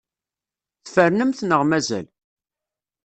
Tfernemt neɣ mazal?